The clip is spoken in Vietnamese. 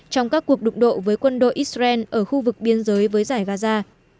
trong các cuộc đụng độ với quân đội israel ở khu vực biên giới với giải gaza